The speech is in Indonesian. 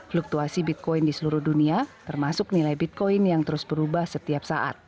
fluktuasi bitcoin di seluruh dunia termasuk nilai bitcoin yang terus berubah setiap saat